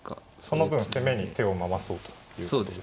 その分攻めに手を回そうということですね。